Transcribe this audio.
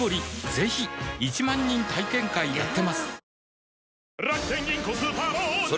ぜひ１万人体験会やってますはぁ。